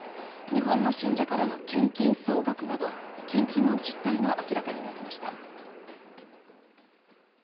日本の信者からの献金総額など献金の実態が明らかになりました。